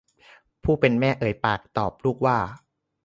ผู้เป็นแม่เอ่ยปากตอบลูกว่า